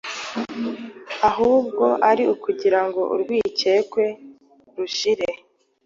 ahubwo ari ukugira ngo urwikekwe rushire